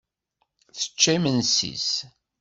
Tečča imensi-s.